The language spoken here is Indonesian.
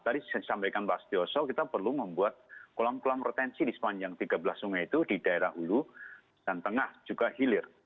tadi disampaikan pak astioso kita perlu membuat kolam kolam retensi di sepanjang tiga belas sungai itu di daerah hulu dan tengah juga hilir